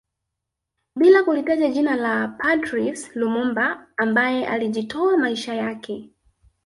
Bila kulitaja jina la Patrice Lumumba ambaye alijitoa maisha yake